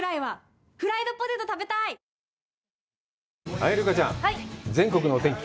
はい、留伽ちゃん、全国のお天気。